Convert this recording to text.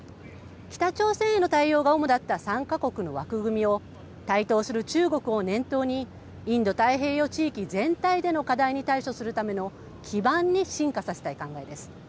北朝鮮への対応が主だった３か国の枠組みを、台頭する中国を念頭に、インド太平洋地域全体での課題に対処するための基盤に進化させたい考えです。